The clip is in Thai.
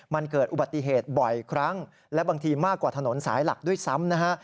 มันเกิดอุบัติเหตุบ่อยครั้งและบางทีมากกว่าถนนสายหลักด้วยซ้ำนะฮะ